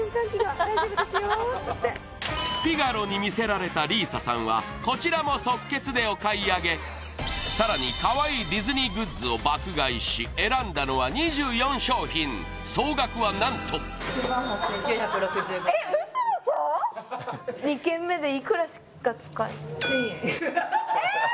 フィガロにみせられた里依紗さんはこちらも即決でお買い上げさらにかわいいディズニーグッズを爆買いし選んだのは２４商品総額はなんと１０００円